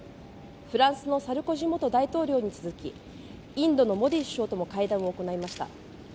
フランスのサルコジ元大統領に続きインドのモディ首相とも会談を行いました。